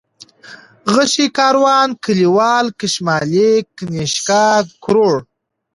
غشى ، کاروان ، کليوال ، کشمالی ، كنيشكا ، کروړ